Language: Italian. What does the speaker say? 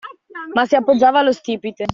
Ma si appoggiava allo stipite.